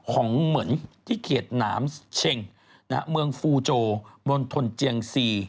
ของเหมือนที่เขียนหนามเช็งนะฮะเมืองฟูโจบนทนเจียงซี